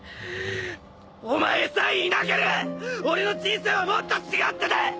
お前さえいなけりゃ俺の人生はもっと違ってた！